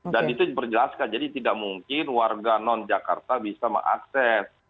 dan itu diperjelaskan jadi tidak mungkin warga non jakarta bisa mengakses